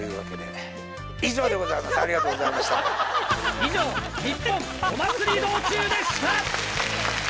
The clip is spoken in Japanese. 以上「ニッポンお祭り道中」でした！